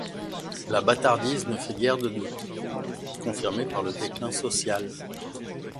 La bâtardise ne fait guère de doute, confirmée par le déclin social.